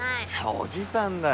おじさんだよ。